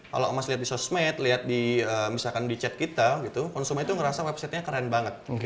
kalau mas lihat di sosmed lihat di chat kita konsumen itu merasa websitenya keren banget